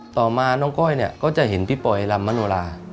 ต่อมาน้องก้อยเนี่ยก็จะเห็นพี่ปอยลำมโนลา